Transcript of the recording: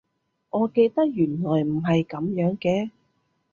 我記得原來唔係噉樣嘅